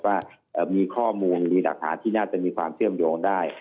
ว่ามีข้อมูลมีหลักฐานที่น่าจะมีความเชื่อมโยงได้